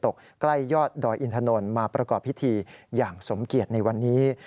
ใกล้ยอดดอยอินถนนมาประกอบพิธีอย่างสมเกียจในวันนี้